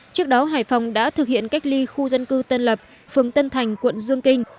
trước đó hải phòng đã thực hiện cách ly khu dân cư tân lập phường tân thành quận dương kinh